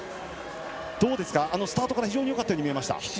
スタートから非常によかったように見えました。